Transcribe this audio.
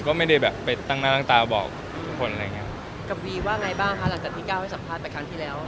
กับวีว่าไงบ้างครับหลังจากที่ก้าวให้สัมภาษณ์แต่ครั้งที่แล้ว